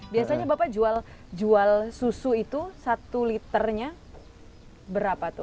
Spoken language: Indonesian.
biasanya bapak jual susu itu satu liternya berapa tuh